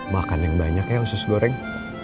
makan yang banyak ya khusus goreng